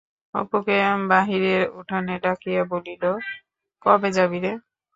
অপুকে বাহিরের উঠানে ডাকিয়া বলিল, কবে যাবি রে?